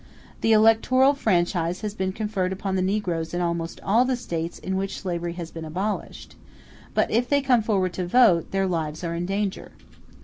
The electoral franchise has been conferred upon the negroes in almost all the States in which slavery has been abolished; but if they come forward to vote, their lives are in danger.